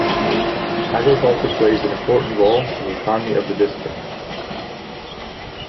Agriculture plays an important role in the economy of the District.